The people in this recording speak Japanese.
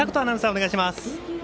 お願いします。